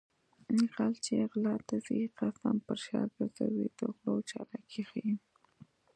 غل چې غلا ته ځي قسم پر شا ګرځوي د غلو چالاکي ښيي